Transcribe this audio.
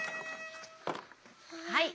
はい。